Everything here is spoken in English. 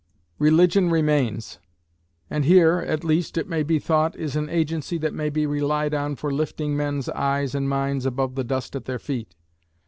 Religion remains; and here, at least, it may be thought, is an agency that may be relied on for lifting men's eyes and minds above the dust at their feet.